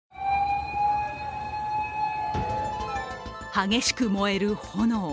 激しく燃える炎。